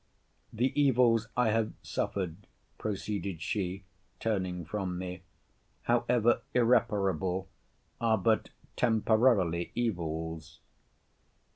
The evils I have suffered, proceeded she, [turning from me,] however irreparable, are but temporarily evils.